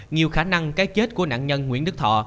nhiều khả năng cái chết của nạn nhân nguyễn đức thọ